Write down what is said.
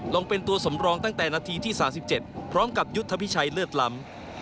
ลงเป็นตัวสำรองตั้งแต่นาทีที่๓๗พร้อมกับยุทธพิชัยเลือดล้ำ